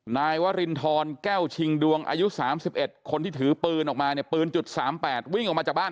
นายวรินทรแก้วชิงดวงอายุ๓๑คนที่ถือปืนออกมาเนี่ยปืน๓๘วิ่งออกมาจากบ้าน